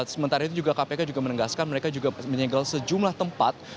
sementara itu juga kpk juga menegaskan mereka juga menyegel sejumlah tempat